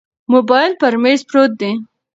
موبایل پر مېز پروت دی.